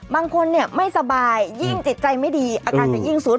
บางคนไม่สบายยิ่งจิตใจไม่ดีอาการจะยิ่งสุด